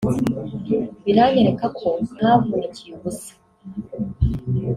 biranyereka ko ntavunikiye ubusa